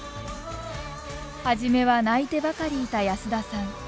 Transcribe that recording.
初めは泣いてばかりいた保田さん。